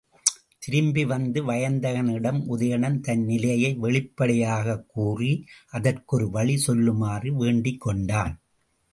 திரும்பி வந்த வயந்தகனிடம் உதயணன் தன் நிலையை வெளிப்படையாகக் கூறி, அதற்கு ஒரு வழி சொல்லுமாறு வேண்டிக்கொண்டான்.